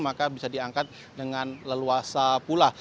maka bisa diangkat dengan leluasa pula